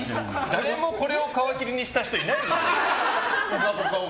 誰もこれを皮切りにした人いないですよ。